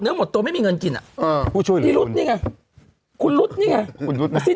ไม่ได้ตั้งใจ